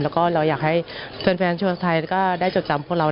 แล้วก็เราอยากให้แฟนชวนไทยก็ได้จดจำพวกเรา